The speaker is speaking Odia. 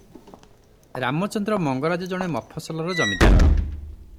ରାମଚନ୍ଦ୍ର ମଙ୍ଗରାଜ ଜଣେ ମଫସଲର ଜମିଦାର ।